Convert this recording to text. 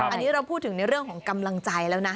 อันนี้เราพูดถึงในเรื่องของกำลังใจแล้วนะ